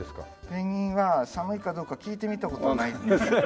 ペンギンは寒いかどうか聞いてみた事はないんですけど。